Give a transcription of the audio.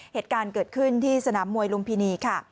เหตุการณ์เกิดขึ้นที่สนามมวยลุมพินีค่ะ